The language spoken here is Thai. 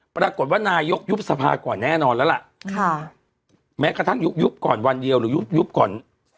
ปรากฏว่านายกยุบสภาก่อนแน่นอนแล้วล่ะค่ะแม้กระทั่งยุบยุบก่อนวันเดียวหรือยุบยุบก่อน